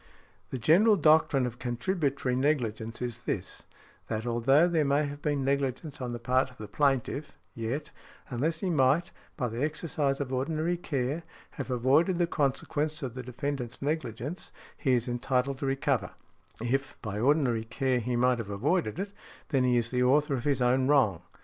The general doctrine of contributory negligence is this, that although there may have been negligence on the part of the plaintiff, yet, unless he might, by the exercise of ordinary care, have avoided the consequence of the defendant's negligence, he is entitled to recover; if, by ordinary care, he might have avoided it, then he is the author of his own wrong .